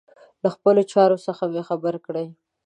له خپلو چارو څخه مي خبر کړئ.